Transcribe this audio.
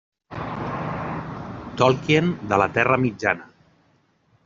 Tolkien de la Terra Mitjana.